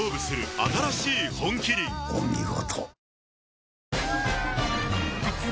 お見事。